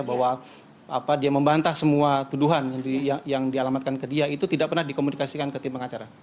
bahwa dia membantah semua tuduhan yang dialamatkan ke dia itu tidak pernah dikomunikasikan ke tim pengacara